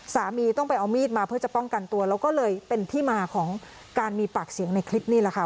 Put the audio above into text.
สามีต้องไปเอามีดมาเพื่อจะป้องกันตัวแล้วก็เลยเป็นที่มาของการมีปากเสียงในคลิปนี่แหละค่ะ